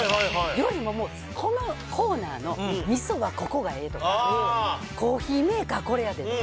料理もこのコーナーの、みそはここがええとか、コーヒーメーカー、これやでとか。